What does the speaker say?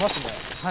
はい。